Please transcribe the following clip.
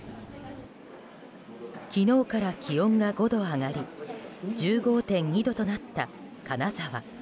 昨日から気温が５度上がり１５．２度となった金沢。